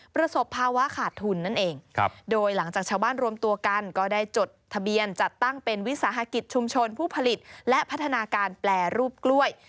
ประสบภาวะขาดทุนนั่นเองโดยหลังจากชาวบ้านรวมตัวกันก็ได้จดทะเบียนจัดตั้งเป็นวิสาหกิจชุมชนผู้ผลิตและพัฒนาการแปรรูปกล้วย